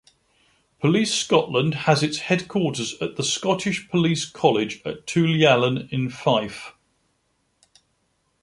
Police Scotland has its headquarters at the Scottish Police College at Tulliallan in Fife.